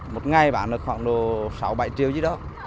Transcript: một ngày bán được khoảng độ sáu bảy triệu gì đó